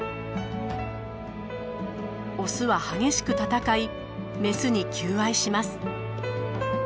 オスは激しく戦いメスに求愛します。